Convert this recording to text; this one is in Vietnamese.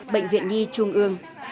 bệnh viện nhi trung ương